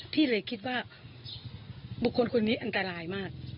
พี่เลยคิดว่าบุคคลคนนี้อันตรายมาก